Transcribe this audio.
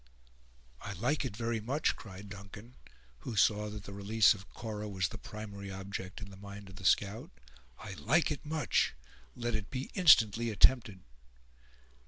"I like it very much," cried Duncan, who saw that the release of Cora was the primary object in the mind of the scout; "I like it much. Let it be instantly attempted."